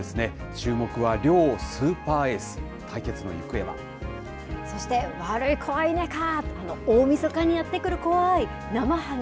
注目は両スーパーエース、対決のそして、悪い子はいないかー、大みそかにやって来る怖いなまはげ。